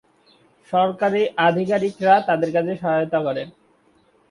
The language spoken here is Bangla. সরকারি আধিকারিকরা তাদের কাজে সহায়তা করেন।